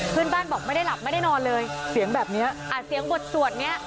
เพื่อนบ้านบอกไม่ได้หลับไม่ได้นอนเลยเสียงแบบนี้เสียงบทสวดเนี้ย